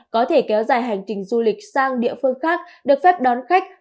có thể kéo dài hành trình du lịch sang địa phương khác được phép đón khách